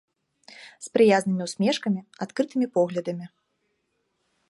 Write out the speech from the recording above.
З прыязнымі ўсмешкамі, адкрытымі поглядамі.